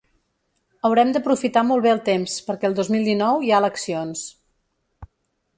Haurem d’aprofitar molt bé el temps perquè el dos mil dinou hi ha eleccions.